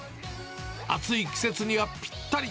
暑い季節にはぴったり。